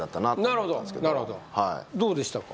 なるほどなるほどどうでしたか？